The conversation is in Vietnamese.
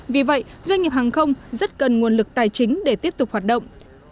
vì vậy doanh nghiệp hàng không rất cần nguồn lực tài chính để tiếp tục hoạt động